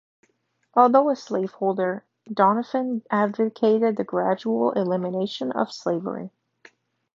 Although a slaveholder, Doniphan advocated the gradual elimination of slavery.